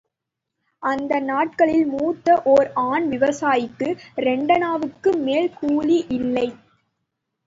அந்த நாட்களில் மூத்த ஓர் ஆண் விவசாயிக்கு இரண்டனாவுக்கு மேல் கூலி இல்லை.